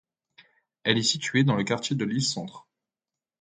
Elle est située dans le quartier de Lille-Centre.